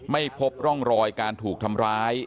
ไม่พบร่องรอยการถูกทำร้าย